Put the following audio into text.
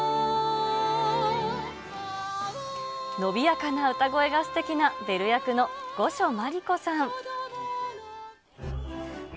伸びやかな歌声がすてきなベル役の五所真理子さん。